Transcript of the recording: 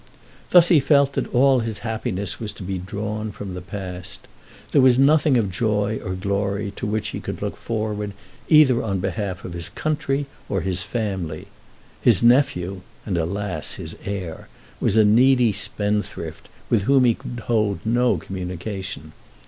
Thus he felt that all his happiness was to be drawn from the past. There was nothing of joy or glory to which he could look forward either on behalf of his country or his family. His nephew, and alas, his heir, was a needy spendthrift, with whom he would hold no communication.